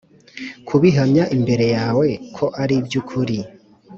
kubihamya imbere yawe ko ari iby ukuri